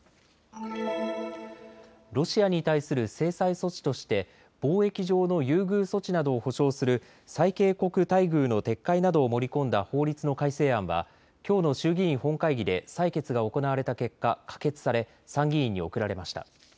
ロシアに対する制裁措置として貿易上の優遇措置などを保障する最恵国待遇の撤回などを盛り込んだ法律の改正案はきょうの衆議院本会議で採決が行われた結果、可決され参議院に送られました。